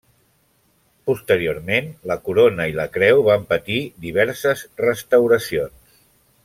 Posteriorment, la corona i la creu van patir diverses restauracions.